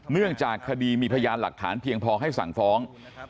เนื่องจากคดีมีพยานหลักฐานเพียงพอให้สั่งฟ้อง